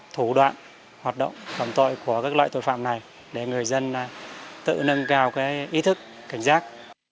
thủ đoạn hoạt động phòng tội của các loại tội phạm này để người dân tự nâng cao ý thức cảnh giác